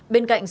bên cạnh sự vọc